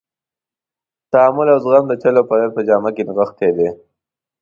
تحمل او زغم د چل او فریب په جامه کې نغښتی دی.